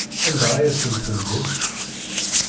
Anda ay asent-tendimt?